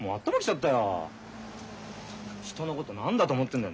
ったく人のこと何だと思ってんだよ。